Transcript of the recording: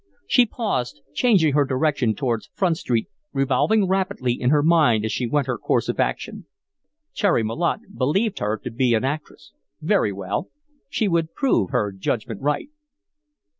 She paused, changing her direction towards Front Street, revolving rapidly in her mind as she went her course of action. Cherry Malotte believed her to be an actress. Very well she would prove her judgment right.